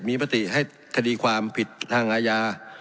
มีมติให้คดีความผิดทางอาญา